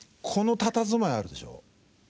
このたたずまいあるでしょ？